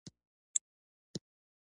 هېواد ته پوهه ورکړئ